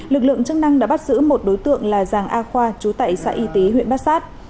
lực lượng chức năng đã bắt giữ một đối tượng là giàng a khoa chú tại xã y tế huyện bát sát